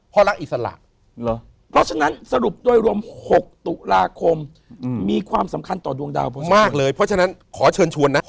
มากเลยเพราะฉะนั้นขอเชิญชวนนะ